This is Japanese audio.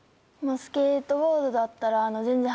スケートボードだったら全然。